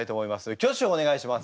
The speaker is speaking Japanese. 挙手をお願いします。